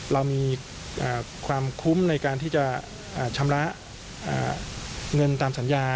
เรามีความคุ้มในการที่จะชำระเงินตามสัญญา